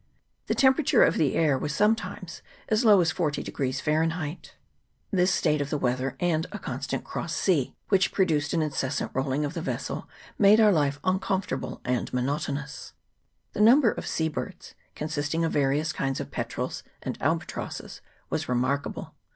The temperature of the air was some times as low as 40 Fahrenheit. This state of the weather, and a constant cross sea, which produced an incessant rolling of the vessel, made our life uncom fortable and monotonous. The number of sea birds, consisting of various kinds of petrels and albatrosses, was remarkable.